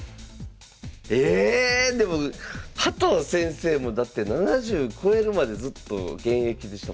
えでも加藤先生もだって７０超えるまでずっと現役でしたもんね。